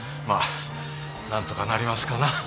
まっ何とかなりますかな。